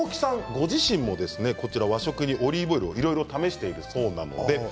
ご自身も和食にオリーブオイルをいろいろ試しているそうです。